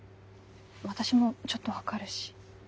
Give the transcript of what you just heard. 私もちょっと分かるし。